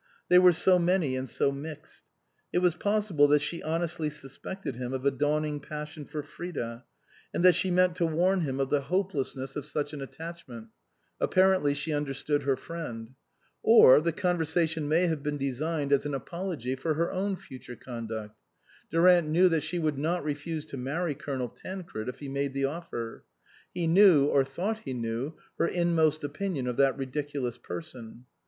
They were so many and so mixed. It was possible that she honestly suspected him of a dawning passion for Frida, and that she meant to warn him of the hopeless 89 THE COSMOPOLITAN ness of such an attachment ; apparently she un derstood her friend. Or the conversation may have been designed as an apology for her own future conduct. Durant knew that she would not refuse to marry Colonel Tancred if he made the offer ; he knew, or thought he knew, her in most opinion of that ridiculous person.